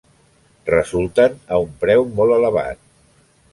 Resulten a un preu molt elevat.